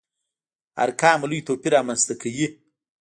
ارقامو لوی توپير رامنځته کوي.